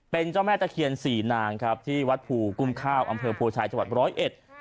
เป็นเจ้าแม่ตะเคียนศรีนางครับที่วัดผูกุ้มคาวอำเภอพูชายจังหวัด๑๐๑